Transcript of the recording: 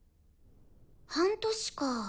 半年か。